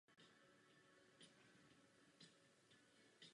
Bojoval na západní frontě a vypracoval se až na desátníka.